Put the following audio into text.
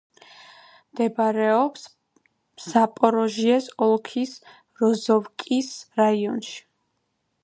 მდებარეობს ზაპოროჟიეს ოლქის როზოვკის რაიონში.